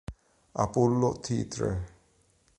Apollo Theatre